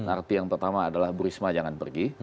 arti yang pertama adalah bu risma jangan pergi